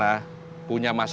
dan paham mesra